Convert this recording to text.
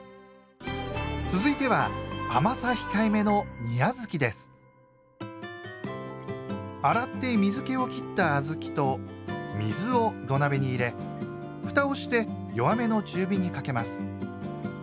続いては甘さ控えめの洗って水けを切った小豆と水を土鍋に入れふたをして弱めの中火にかけます。